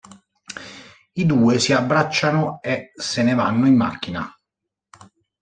I due si abbracciano e se ne vanno in macchina.